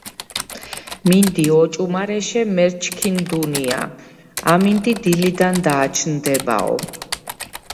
მინდი ოჭუმარეშე მერჩქინდუნია.„ამინდი დილიდან დააჩნდებაო“.